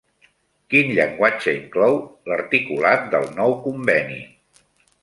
Quin llenguatge inclou l'articulat del nou conveni?